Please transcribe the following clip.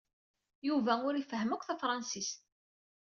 Yuba ur ifehhem akk tafṛensist.